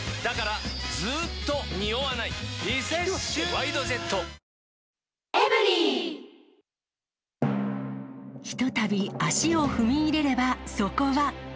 「ＷＩＤＥＪＥＴ」ひとたび足を踏み入れれば、そこは。